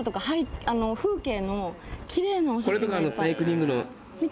風景のキレイなお写真がいっぱい。